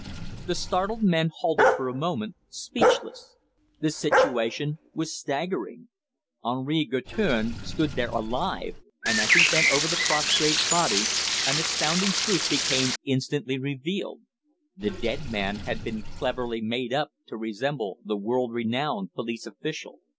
The startled men halted for a moment, speechless. The situation was staggering. Henri Guertin stood there alive, and as he bent over the prostrate body an astounding truth became instantly revealed: the dead man had been cleverly made up to resemble the world renowned police official.